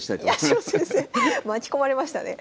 巻き込まれましたね。